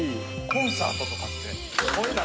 コンサートとかって声出せ。